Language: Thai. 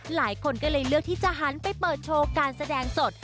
หลายคนก็เลยเลือกที่จะหันไปเปิดโชว์การแสดงสด